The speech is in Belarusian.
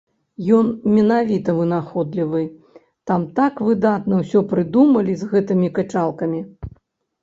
Ён менавіта вынаходлівы, там так выдатна ўсё прыдумалі з гэтымі качалкамі.